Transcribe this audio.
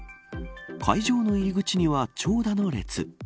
会場の入り口には長蛇の列。